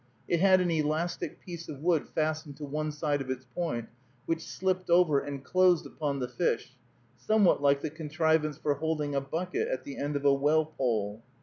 It had an elastic piece of wood fastened to one side of its point, which slipped over and closed upon the fish, somewhat like the contrivance for holding a bucket at the end of a well pole.